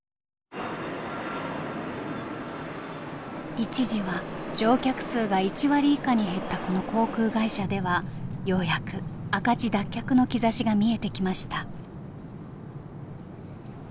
一時は乗客数が１割以下に減ったこの航空会社ではようやく赤字脱却の兆しが見えてきました。